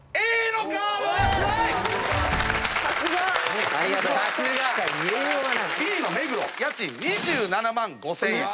Ｂの目黒家賃２７万５，０００円。